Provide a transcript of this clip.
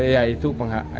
ya itu penghak